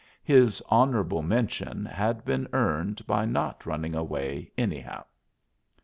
His "honorable mention" had been earned by not running away anyhow.